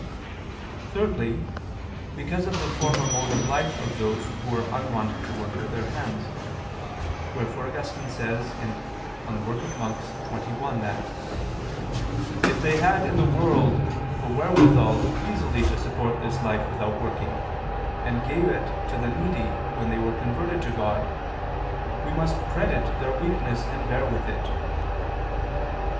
Thirdly, because of the former mode of life of those who were unwont to work with their hands: wherefore Augustine says (De oper. Monach. xxi) that "if they had in the world the wherewithal easily to support this life without working, and gave it to the needy when they were converted to God, we must credit their weakness and bear with it."